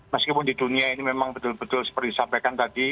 meskipun di dunia ini memang betul betul seperti disampaikan tadi